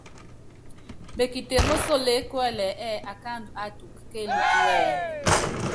Mekite mósokeé kuɛlɛ ɛ́ɛ́ akáandú áátuku kéelúkú wɛ́yí.